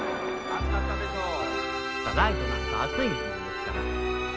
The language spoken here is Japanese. ライトなんか熱いものですから。